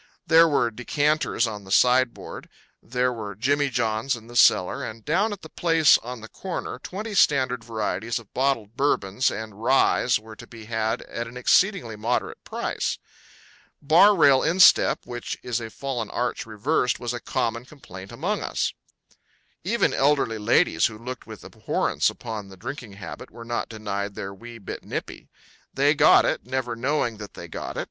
There were decanters on the sideboard; there were jimmy johns in the cellar; and down at the place on the corner twenty standard varieties of bottled Bourbons and ryes were to be had at an exceedingly moderate price. Bar rail instep, which is a fallen arch reversed, was a common complaint among us. Even elderly ladies who looked with abhorrence upon the drinking habit were not denied their wee bit nippy. They got it, never knowing that they got it.